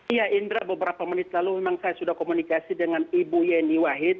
iya indra beberapa menit lalu memang saya sudah komunikasi dengan ibu yeni wahid